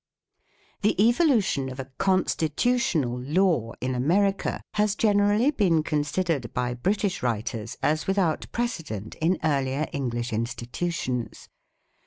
The evolution of a " constitutional law" in America has generally been considered by British writers as without precedent in earlier English institutions.